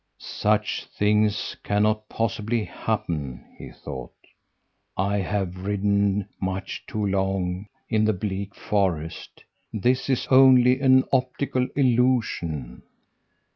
"'Such things cannot possibly happen!' he thought. 'I have ridden much too long in the bleak forest. This is only an optical illusion.'